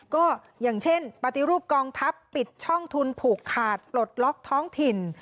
ก็อย่างเช่นปฏิรูปกองทัพปิดช่องทุนผูกขาดปลดล็อกท้องถิ่น